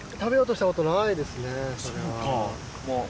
そうか。